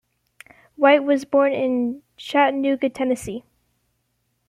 White was born in Chattanooga, Tennessee.